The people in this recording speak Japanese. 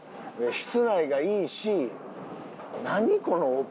室内がいいし。